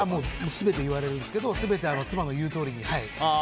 全て言われるんですけど全て妻の言うとおりに。